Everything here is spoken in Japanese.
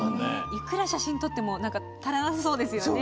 いくら写真を撮っても足らなそうですよね。